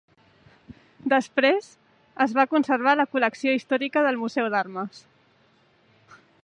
Després, es va conservar la col·lecció històrica del museu d'armes.